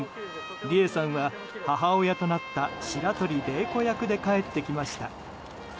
りえさんは母親となった白鳥麗子役で帰ってきました。